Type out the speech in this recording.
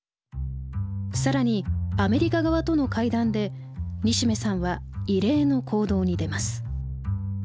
更にアメリカ側との会談で西銘さんは異例の行動に出ます。